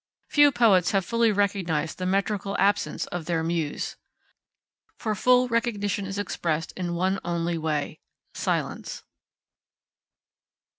Few poets have fully recognised the metrical absence of their Muse. For full recognition is expressed in one only way silence.